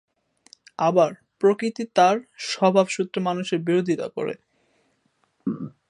আবার, প্রকৃতি তার স্বভাব সূত্রে মানুষের বিরোধিতা করে।